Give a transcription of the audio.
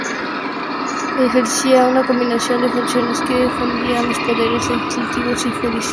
Ejercía una combinación de funciones, que fundían los poderes legislativo y judicial.